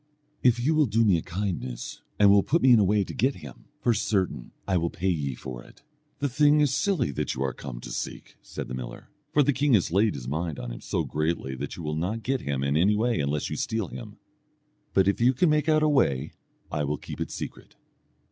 "If you will do me a kindness, and will put me in a way to get him, for certain I will pay ye for it." "The thing is silly that you are come to seek," said the miller; "for the king has laid his mind on him so greatly that you will not get him in any way unless you steal him; but if you can make out a way, I will keep it secret."